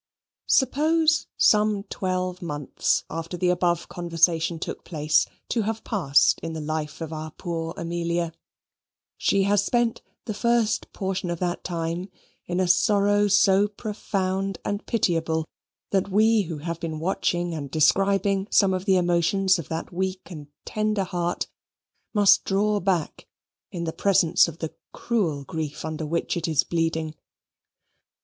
Suppose some twelve months after the above conversation took place to have passed in the life of our poor Amelia. She has spent the first portion of that time in a sorrow so profound and pitiable, that we who have been watching and describing some of the emotions of that weak and tender heart, must draw back in the presence of the cruel grief under which it is bleeding.